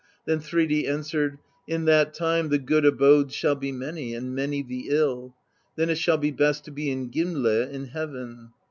Then Thridi answered: "In that time the good abodes shall be many, and many the ill; then it shall be best to be in Gimle in Heaven.